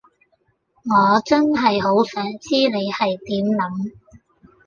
我真係好想知你係點諗